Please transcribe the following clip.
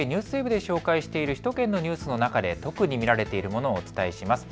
ＮＨＫＮＥＷＳＷＥＢで紹介している首都圏のニュースの中で特に見られているものをお伝えします。